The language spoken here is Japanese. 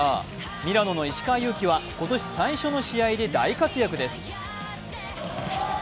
ミラノの石川祐希は今年最初の試合で大活躍です。